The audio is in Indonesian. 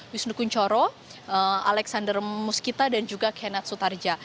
wisnu kunchoro alexander muskita dan juga kenneth sutardja